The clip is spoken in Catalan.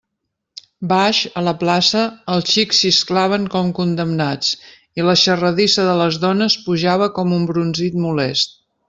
Baix, a la plaça, els xics xisclaven com condemnats i la xarradissa de les dones pujava com un brunzit molest.